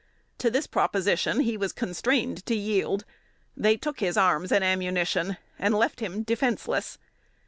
To this proposition he was constrained to yield. They took his arms and ammunition, and left him defenseless.